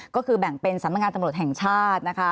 ก็คือแบ่งเป็นสำนักงานตำรวจแห่งชาตินะคะ